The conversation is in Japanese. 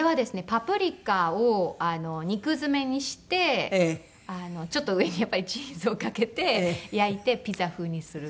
パプリカを肉詰めにしてちょっと上にやっぱりチーズをかけて焼いてピザ風にする。